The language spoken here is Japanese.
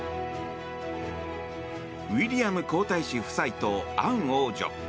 ウィリアム皇太子夫妻とアン王女。